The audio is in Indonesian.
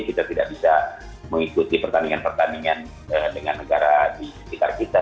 kita tidak bisa mengikuti pertandingan pertandingan dengan negara di sekitar kita